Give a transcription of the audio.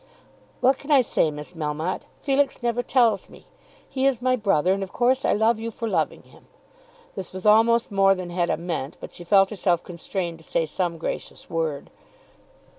"What can I say, Miss Melmotte? Felix never tells me. He is my brother, and of course I love you for loving him." This was almost more than Hetta meant; but she felt herself constrained to say some gracious word.